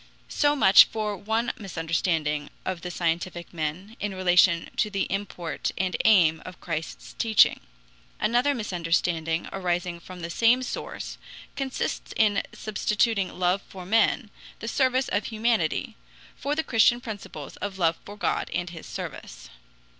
So much for one misunderstanding of the scientific men, in relation to the import and aim of Christ's teaching. Another misunderstanding arising from the same source consists in substituting love for men, the service of humanity, for the Christian principles of love for God and his service.